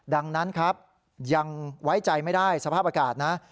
ดังนั้นครับยังไว้ใจไม่ได้สภาพอากาศนะ